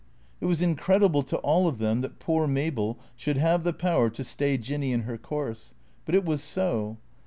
It was incredible to all of them that poor Mabel should have the power to stay Jinny in her course. But it was so.